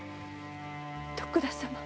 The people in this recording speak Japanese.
徳田様。